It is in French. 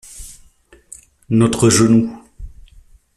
Notre genou.